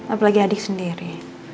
apalagi adik sendiri